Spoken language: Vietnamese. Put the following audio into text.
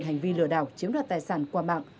hành vi lừa đảo chiếm đoạt tài sản qua mạng